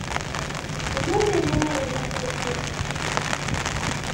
Omwana Omuwala weebase dda!